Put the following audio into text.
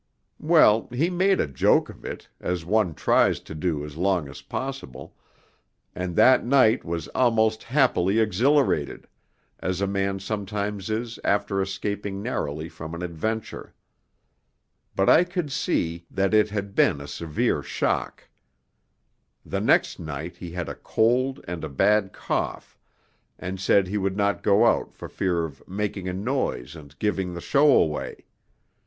Well, he made a joke of it, as one tries to do as long as possible, and that night was almost happily exhilarated, as a man sometimes is after escaping narrowly from an adventure. But I could see that it had been a severe shock. The next night he had a cold and a bad cough, and said he would not go out for fear of 'making a noise and giving the show away.'